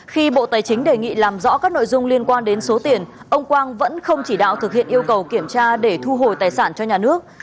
khi bộ tài chính đề nghị làm rõ các nội dung liên quan đến số tiền ông quang vẫn không chỉ đạo thực hiện yêu cầu kiểm tra để thu hồi tài sản cho nhà nước